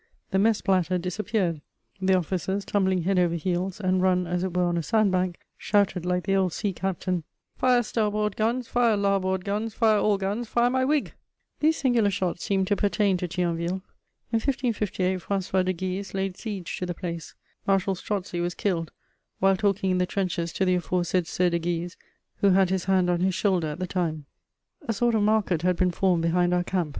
The mess platter disappeared; the officers, tumbling head over heels and run, as it were, on a sand bank, shouted like the old sea captain: "Fire starboard guns, fire larboard guns, fire all guns, fire my wig!" These singular shots seem to pertain to Thionville. In 1558, François de Guise laid siege to the place. Marshal Strozzi was killed, "while talking in the trenches to the aforesaid Sieur de Guise, who had his hand on his shoulder at the time." * [Sidenote: Market in camp.] A sort of market had been formed behind our camp.